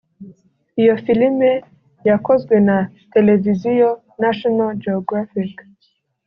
Iyo filime yakozwe na televiziyo National Geographic